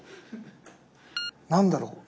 何だろう？